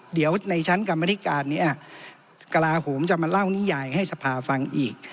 เดี๋ยวในชั้นกรรมนิการนี้กระลาโหมจะมาเล่านิยายให้สภาฟังอีก